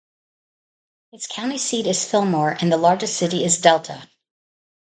Its county seat is Fillmore, and the largest city is Delta.